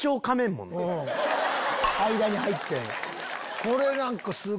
間に入って。